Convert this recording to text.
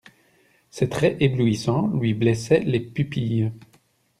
Ses traits éblouissants, lui blessaient les pupilles.